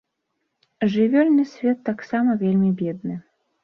Жывёльны свет таксама вельмі бедны.